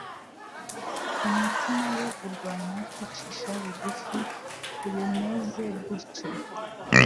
Umutima we urwanya kwicisha bugufi kulneze gutyo.